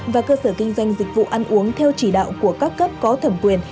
và cơ sở kinh doanh dịch vụ ăn uống theo chỉ đạo của các cấp có thẩm quyền